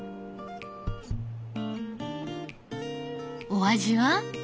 お味は？